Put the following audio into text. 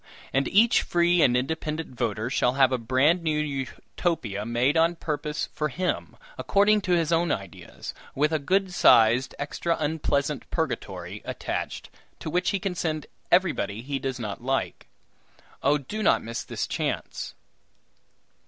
And each free and independent voter shall have a bran new Utopia made on purpose for him, according to his own ideas, with a good sized, extra unpleasant purgatory attached, to which he can send everybody he does not like. Oh! do not miss this chance!"